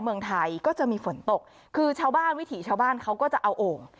เมืองไทยก็จะมีฝนตกคือชาวบ้านวิถีชาวบ้านเขาก็จะเอาโอ่ง